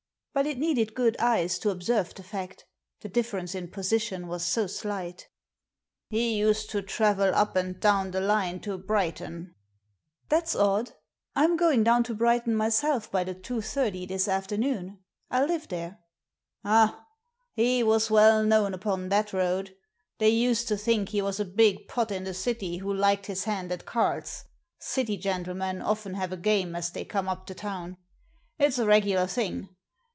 But it needed good eyes to observe the fact, the difference in position was so slight " He used to travel up and down the line to Brightoa" " That's odd I'm going down to Brighton myself by the 2.30 this aftemoon. I live there." f "Ah! He was well known upon that road. They used to think he was a big pot in the City who liked his hand at cards. City gentlemen often have a game as they come up to town. If s a regular thing.